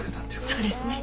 そうですね。